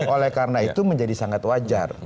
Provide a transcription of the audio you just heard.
oleh karena itu menjadi sangat wajar